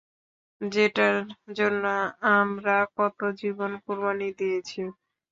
যেটার জন্য আমরা কতো জীবন কোরবানি দিয়েছি।